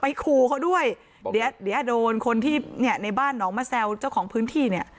ขู่เขาด้วยเดี๋ยวเดี๋ยวโดนคนที่เนี่ยในบ้านหนองมะแซวเจ้าของพื้นที่เนี่ย